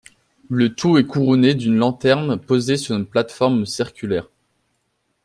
Le tout est couronné d'une lanterne posée sur une plate-forme circulaire.